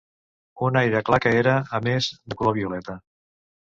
Un aire clar que era, a més, de color violeta.